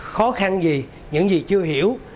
khó khăn gì những gì chưa hiểu